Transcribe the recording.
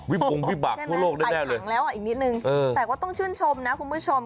วิบุงวิบากทั่วโลกแน่เลยใช่ไหมใต่ถังแล้วอีกนิดนึงแต่ว่าต้องชื่นชมนะคุณผู้ชม